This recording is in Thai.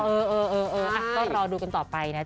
อ๋อเออต้องรอดูกันต่อไปนะจ๊ะ